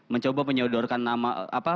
mencoba menyodorkan nama